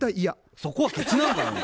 そこはケチなんかいな。